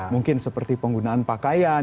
mungkin seperti penggunaan pakaian